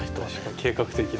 計画的な。